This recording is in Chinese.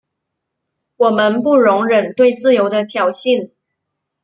我们不容忍对自由的挑衅。